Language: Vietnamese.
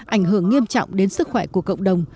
ảnh hưởng nghiêm trọng đến sức khỏe của cộng đồng